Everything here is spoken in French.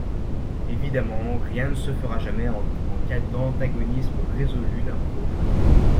Évidemment, rien ne se fera jamais en cas d’antagonisme résolu d’un proche.